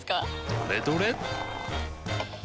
どれどれっ！